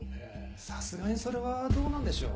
さすがにそれはどうなんでしょう？